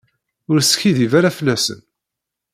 Ur skiddib ara fell-asen.